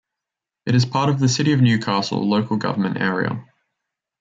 It is part of the City of Newcastle local government area.